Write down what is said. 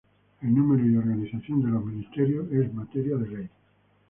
El número y organización de los Ministerios es materia de ley.